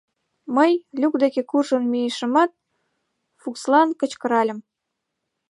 Мый, люк деке куржын мийышымат, Фукслан кычкыральым: